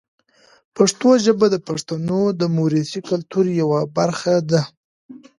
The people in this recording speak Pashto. پښتو ژبه د پښتنو د موروثي کلتور یوه برخه ده.